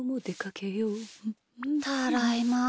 ただいま。